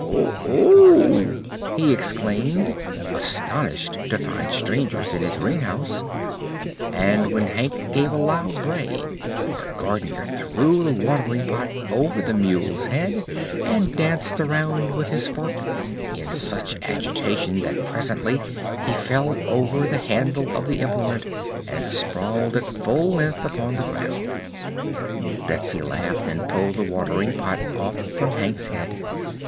"O ho!" he exclaimed, astonished to find strangers in his greenhouse, and when Hank gave a loud bray the Gardener threw the watering pot over the mule's head and danced around with his fork, in such agitation that presently he fell over the handle of the implement and sprawled at full length upon the ground. Betsy laughed and pulled the watering pot off from Hank's head.